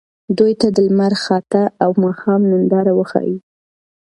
دوی ته د لمر خاته او ماښام ننداره وښایئ.